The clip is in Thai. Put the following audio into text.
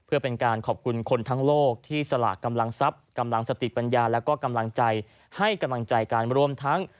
เพื่อเป็นการขอบคุณคนทั้งโลกที่สลากกำลังทรัพย์กำลังสติปัญญาและก็กำลังใจให้กำลังใจกันรวมทั้ง